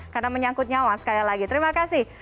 karena menyangkut nyawa sekali lagi terima kasih